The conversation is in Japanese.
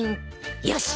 よし！